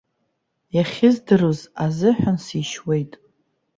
Иахьыздыруаз азыҳәан сишьуеит!